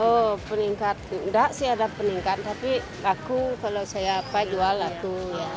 oh peningkat enggak sih ada peningkat tapi aku kalau saya apa jual aku ya